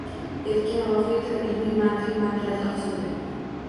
Erkin Vohidov ilmiy-ma’rifiy markazi ochildi